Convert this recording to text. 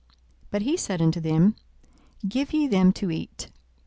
42:009:013 But he said unto them, Give ye them to eat.